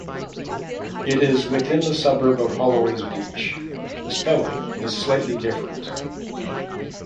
It is within the suburb of Holloways Beach (the spelling is slightly different).